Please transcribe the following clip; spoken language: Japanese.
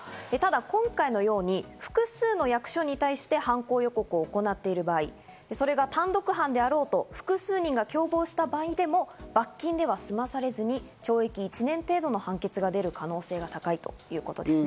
今回のように複数の役所に対して犯行を行っている場合、それが単独犯であろうと複数人が共謀した場合でも罰金では済まされずに懲役１年程度の判決が出る可能性が高いということです。